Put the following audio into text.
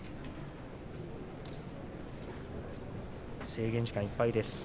制限時間いっぱいです。